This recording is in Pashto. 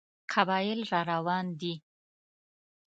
قبایل را روان دي.